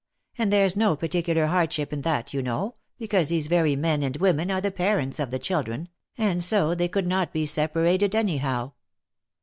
And there's no particular hardship in that you know, because these very men and women are the parents of the children, and so they could not be separated any how."